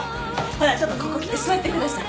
ほらちょっとここ来て座ってください。